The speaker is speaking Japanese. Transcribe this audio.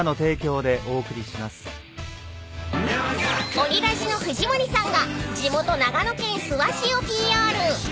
［オリラジの藤森さんが地元長野県諏訪市をＰＲ］